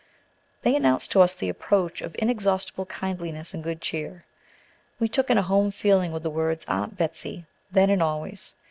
They announced to us the approach of inexhaustible kindliness and good cheer. We took in a home feeling with the words "Aunt Betsey" then and always.